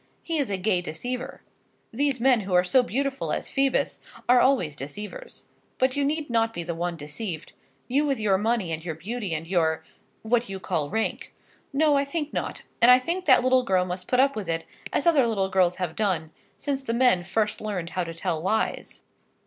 He is a gay deceiver. These men who are so beautiful as Phoebus are always deceivers. But you need not be the one deceived; you with your money and your beauty and your what you call rank. No, I think not; and I think that little girl must put up with it, as other little girls have done, since the men first learned how to tell lies.